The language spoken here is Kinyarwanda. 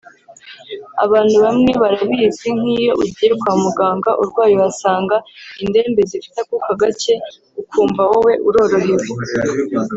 Abantu bamwe barabizi nk’iyo ugiye kwa muganga urwaye uhasanga indembe zifite akuka gake ukumva wowe urorohewe